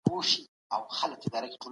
هیوادونه ولي د جګړې مخنیوی کوي؟